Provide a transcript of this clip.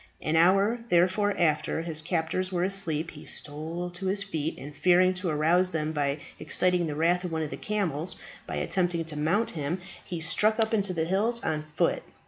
An hour, therefore, after his captors were asleep he stole to his feet, and fearing to arouse them by exciting the wrath of one of the camels by attempting to mount him, he struck up into the hills on foot.